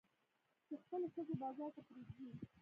چې خپلې ښځې بازار ته پرېږدي.